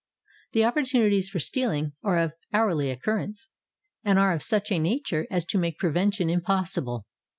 The opportunities for stealing are of hourly occur rence and are of such a nature as to make prevention impossible.